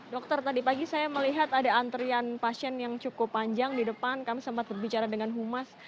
dokter tadi pagi saya melihat ada antrian pasien yang cukup panjang di depan kami sempat berbicara dengan humas